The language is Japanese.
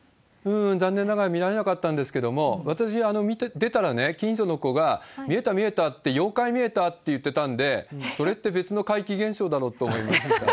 残念ながら見られなかったんですけれども、私、出たらね、近所の子が、見えた、見えたって、妖怪見れたって言ってたんで、それって別の怪奇現象だろうって思いました。